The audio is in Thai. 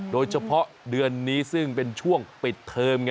โดยเฉพาะเดือนนี้ซึ่งเป็นช่วงปิดเทอม